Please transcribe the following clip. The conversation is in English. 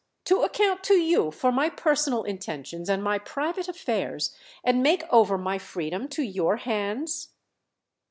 —to account to you for my personal intentions and my private affairs and make over my freedom to your hands?"